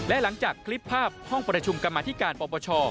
และหลังจากคลิปภาพห้องประชุมกรรมธิการปปช